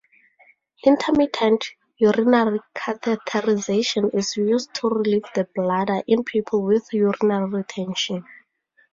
Intermittent urinary catheterization is used to relieve the bladder in people with urinary retention.